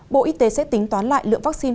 bộ y tế sẽ tính toán lại lượng vaccine